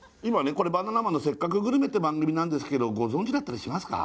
これ「バナナマンのせっかくグルメ！！」って番組ですけどご存じだったりしますか？